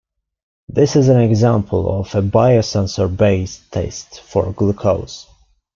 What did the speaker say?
This is an example of a biosensor-based test for glucose.